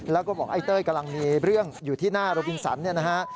แล้วก็บอกไอ้เต้ยกำลังมีเรื่องอยู่ที่หน้าโรบินสันเนี่ยนะฮะ